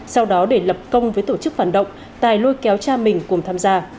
sau đó để lập công với tổ chức phản động tài lôi kéo cha mình cùng tham gia